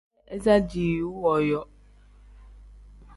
Medee iza diiwu wooyo.